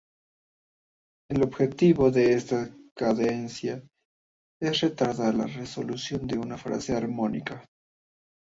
El objetivo de esta cadencia es retardar la resolución de una frase armónica.